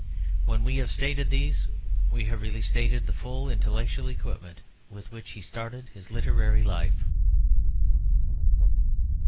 When we have stated these we have really stated the full intellectual equipment with which he started his literary life.